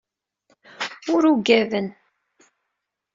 Ur ugaden.